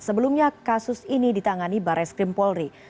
sebelumnya kasus ini ditangani barres krimpolri